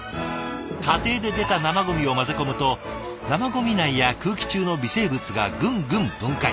家庭で出た生ゴミを混ぜ込むと生ゴミ内や空気中の微生物がぐんぐん分解。